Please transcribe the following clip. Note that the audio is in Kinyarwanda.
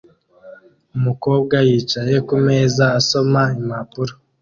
Umukobwa yicaye kumeza asoma impapuro